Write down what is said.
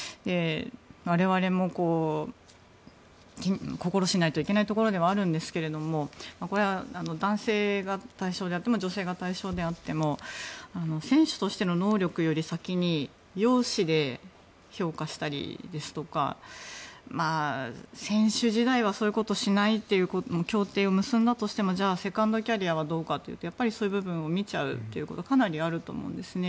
我々も心しないといけないところではあるんですがこれは男性が対象であっても女性が対象であっても選手としての能力より先に容姿で評価したり選手時代はそういうことをしないと協定を結んだとしてもセカンドキャリアはどうかというやっぱりそういう部分を見ちゃうということがかなりあると思うんです。